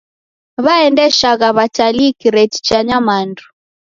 Waendeshagha w'atalii kireti cha nyamandu.